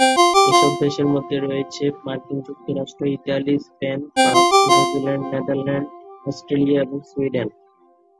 এসব দেশের মধ্যে রয়েছে মার্কিন যুক্তরাষ্ট্র, Italy, Spain, France, New Zealand, Netherland, Australia এবং সুইডেন।